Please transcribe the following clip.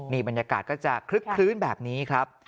บรรยากาศก็จะคลึกคลื้นแบบนี้ครับ